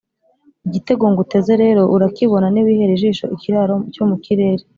Igitego nguteze rero urakibona niwihera ijisho ikiraro cyo mu kirere,